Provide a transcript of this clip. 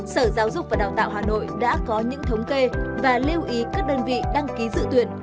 sở giáo dục và đào tạo hà nội đã có những thống kê và lưu ý các đơn vị đăng ký dự tuyển